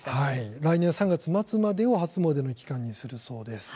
来年３月末までの期間を初詣の期間にするそうです。